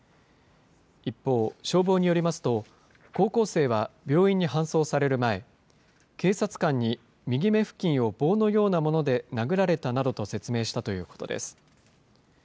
一方、消防によりますと、高校生は病院に搬送される前、警察官に右目付近を棒のようなもので殴られたなどと説明したということです。